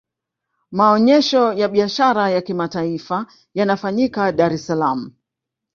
maonesho ya biashara ya kimataifa yanafanyika dar es salaam